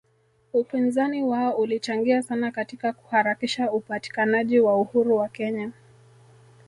Upinzani wao ulichangia sana katika kuharakisha upatikanaji wa uhuru wa Kenya